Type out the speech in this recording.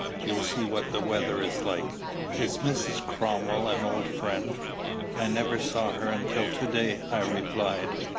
You'll see what the weather is like. Is Mrs. Cromwell an old friend?" "I never saw her until to day," I replied.